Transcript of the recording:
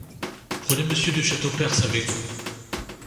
Prenez Monsieur de Châteaupers avec vous.